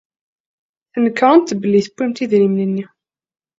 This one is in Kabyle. Tnekṛemt belli tuwyemt idrimen-nni.